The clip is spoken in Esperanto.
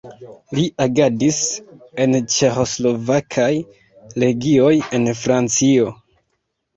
Li agadis en ĉeĥoslovakaj legioj en Francio.